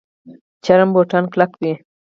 چرم بوټان کلک وي